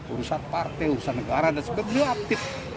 urusan partai urusan negara dan sebagainya aktif